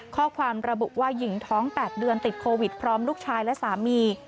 ข้อความระบุว่าหญิงท้อง๘เดือนติดโควิดพร้อมลูกชายและสามี